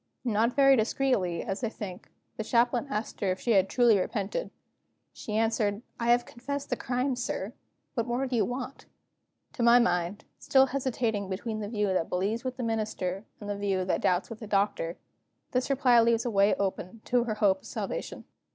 Not very discreetly, as I think, the Chaplain asked her if she had truly repented. She answered: "I have confessed the crime, sir. What more do you want?" To my mind still hesitating between the view that believes with the Minister, and the view that doubts with the Doctor this reply leaves a way open to hope of her salvation.